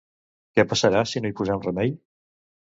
Què passarà, si no hi posen remei?